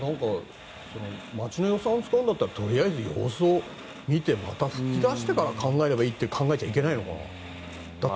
町の予算を使うんだったらとりあえず様子を見てまた噴き出してから考えればいいって考えちゃいけないのかな。